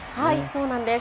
そうなんです。